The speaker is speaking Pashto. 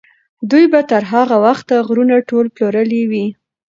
دوی به تر هغه وخته غرونه ټول پلورلي وي.